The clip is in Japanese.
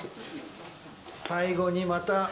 最後にまた。